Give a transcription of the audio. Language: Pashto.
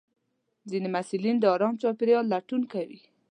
ځینې محصلین د ارام چاپېریال لټون کوي.